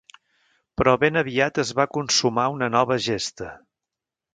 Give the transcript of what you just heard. Però ben aviat es va consumar una nova gesta.